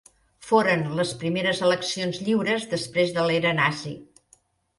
Foren les primeres eleccions lliures després de l'era nazi.